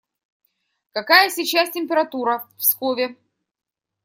Какая сейчас температура в Пскове?